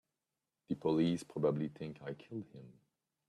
The police probably think I killed him.